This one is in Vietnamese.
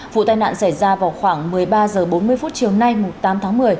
vụ tai nạn xảy ra vào khoảng một mươi ba h bốn mươi chiều nay tám tháng một mươi